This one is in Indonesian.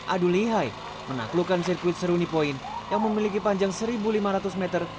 adu lihai menaklukkan sirkuit seruni point yang memiliki panjang seribu lima ratus meter